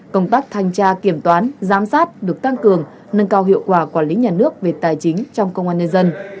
công tác thanh tra kiểm toán giám sát được tăng cường nâng cao hiệu quả quản lý nhà nước về tài chính trong công an nhân dân